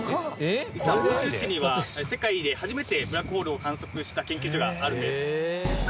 実は奥州市には世界で初めてブラックホールを観測した研究所があるんです。